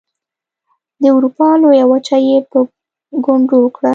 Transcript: د اروپا لویه وچه یې په ګونډو کړه.